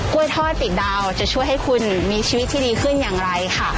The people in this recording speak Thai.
ทอดติดดาวจะช่วยให้คุณมีชีวิตที่ดีขึ้นอย่างไรค่ะ